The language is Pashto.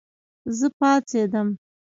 زه پاڅېدم